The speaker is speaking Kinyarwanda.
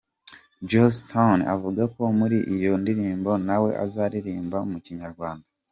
Joss Stone avuga ko muri iyo ndirimbo nawe azaririmba mu Kinyarwanda.